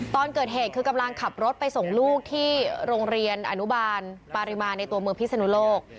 ตอนเกิดเหตุคือกำลังขับรถไปส่งลูกที่โรงเรียนอนุบาลปาริมาในตัวเมืองพิศนุโลก